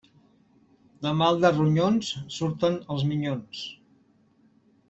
De mal de ronyons surten els minyons.